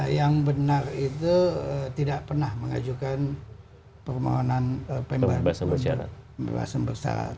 yang benar itu tidak pernah mengajukan permohonan pembebasan besar